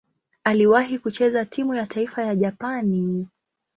Aliwahi kucheza timu ya taifa ya Japani.